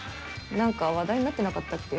何か話題になってなかったっけ？